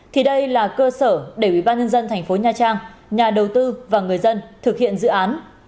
thì đây là cơ sở để ủy ban nhân dân thành phố nha trang nhà đầu tư và người dân thực hiện dự án